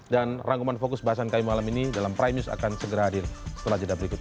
dan rangkuman fokus bahasan kami malam ini dalam prime news akan segera hadir setelah jeda berikut ini